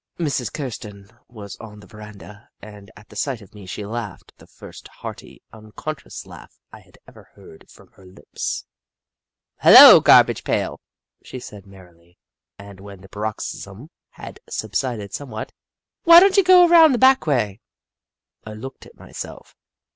Mrs. Kirsten was on the veranda, and at the sight of me she laughed the first hearty, unconscious laugh I had ever heard from her lips. " Hello, garbage pail," she said, merrily, when the paroxysm had sub sided somewhat, " why don't you go around the back way ?" I looked at myself.